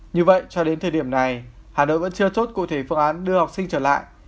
như vậy cho đến thời điểm này hà nội vẫn chưa chốt cụ thể phương án đưa học sinh trở lại